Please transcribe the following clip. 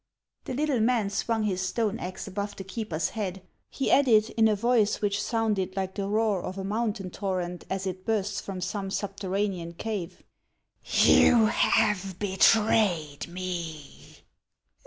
The little man swung his stone axe above the keeper's head. He added, in a voice which sounded like the roar of a mountain torrent as it bursts from some subterranean cave :" You have betrayed me."